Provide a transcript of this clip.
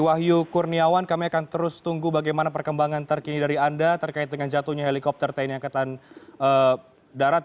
wahyu kurniawan kami akan terus tunggu bagaimana perkembangan terkini dari anda terkait dengan jatuhnya helikopter tni angkatan darat